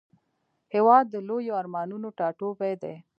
هېواد د لویو ارمانونو ټاټوبی دی.